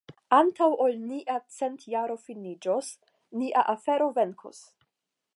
Antaŭ ol nia centjaro finiĝos, nia afero venkos.